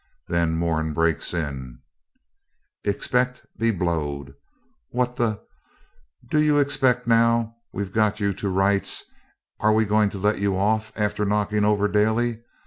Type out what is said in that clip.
Then Moran breaks in 'Expect, be blowed! What the do you expect now we've got yer to rights; are we going to let you off after knocking over Daly?